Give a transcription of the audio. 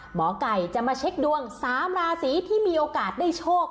หมอไก่จะมาเช็คดวง๓ราศีที่มีโอกาสได้โชค